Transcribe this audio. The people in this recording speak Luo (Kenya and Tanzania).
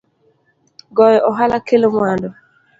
Goyo ohala kelo mwandu